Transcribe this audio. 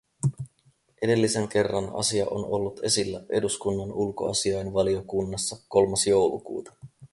Edellisen kerran asia on ollut esillä eduskunnan ulkoasiainvaliokunnassa kolmas joulukuuta.